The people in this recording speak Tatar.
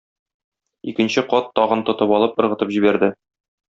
Икенче кат тагын тотып алып, ыргытып җибәрде.